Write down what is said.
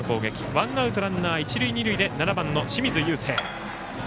ワンアウトランナー、一塁二塁で７番の清水友惺。